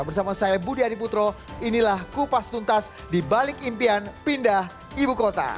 bersama saya budi adiputro inilah kupas tuntas di balik impian pindah ibu kota